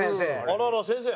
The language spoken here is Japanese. あらら先生。